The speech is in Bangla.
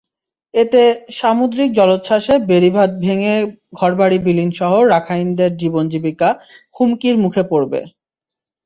এতে সামুদ্রিক জলোচ্ছ্বাসে বেড়িবাঁধ ভেঙে ঘরবাড়ি বিলীনসহ রাখাইনদের জীবন-জীবিকা হুমকির মুখে পড়বে।